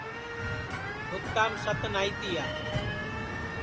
بُتام ست نائی تیا